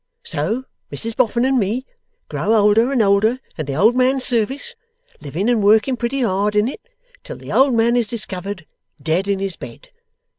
So Mrs Boffin and me grow older and older in the old man's service, living and working pretty hard in it, till the old man is discovered dead in his bed.